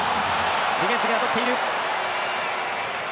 ディフェンスに当たっている。